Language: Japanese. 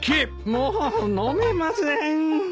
もう飲めません。